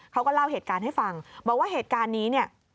เขาก็เล่าเหตุการณ์ให้ฟังบอกว่าเหตุการณ์นี้เนี่ย